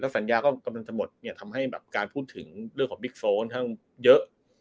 หน้ากีฬาก็กำจัดหมดทำให้การพูดถึงเรื่องของบิ๊กโซลกันทั้งเยอะ